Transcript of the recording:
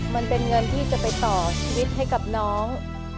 มันเป็นเงินที่จะไปต่อชีวิตให้กับน้อง